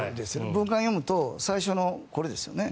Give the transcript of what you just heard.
文間を読むと最初のこれですよね。